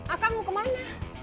akan mau kemana